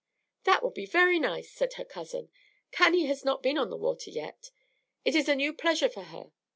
"That will be very nice," said her cousin. "Cannie has not been on the water yet. It is a new pleasure for her.